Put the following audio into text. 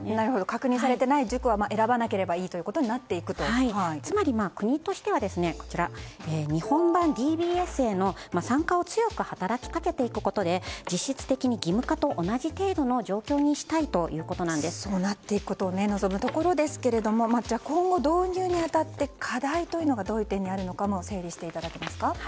確認されていない塾は選ばなければいいということにつまりポイントとしては日本版ＤＢＳへの参加を強く働きかけていくことで実質的に義務化と同じような状況にしたいそうなっていくことを望むところですけれども今後導入に当たって課題がどこにあるか整理していただけますか。